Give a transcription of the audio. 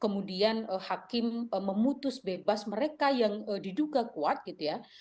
kemudian hakim memutus bebas mereka yang diduga kuat gitu ya